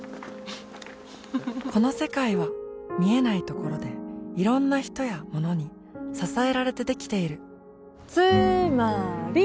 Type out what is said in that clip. この世界は見えないところでいろんな人やものに支えられてできているつーまーり！